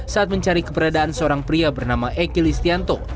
saat mencari keberadaan seorang pria bernama eky listianto